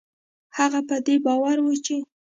هغه په دې باور و چې